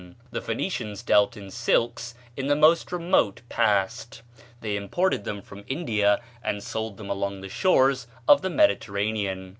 The Phoenicians dealt in silks in the most remote past; they imported them from India and sold them along the shores of the Mediterranean.